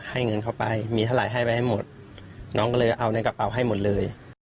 ให้เงินเข้าไปมีเท่าไหร่ให้ไปให้หมดน้องก็เลยเอาในกระเป๋าให้หมดเลย